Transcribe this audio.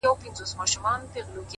• چي په هرځای کي مي وغواړی او سېږم,